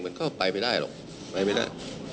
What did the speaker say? มันก็ไปไม่ได้หรอกไปไม่ได้